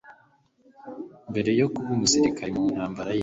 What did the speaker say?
mbere yo kuba umusirikare mu ntambara y'isi